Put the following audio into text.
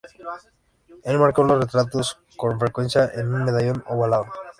El marco de los retratos, con frecuencia es un medallón ovalado.